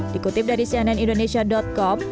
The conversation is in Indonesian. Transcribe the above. dikutip dari cnnindonesia com